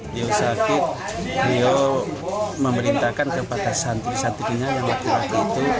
dia sakit dia memerintahkan kepada sanggring sanggringnya yang lagi lagi itu